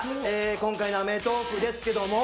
今回の「アメトーーク」ですけども。